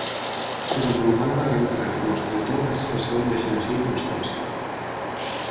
Desenvolupant una gran carrera com escultor gràcies a la seva imaginació i constància.